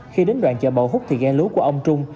khi đến đoạn chợ bầu hút thì ghe lúa của ông trung